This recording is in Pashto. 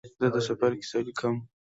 زه د سفر کیسه لیکم.